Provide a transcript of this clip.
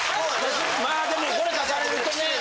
まあでもこれ出されるとね。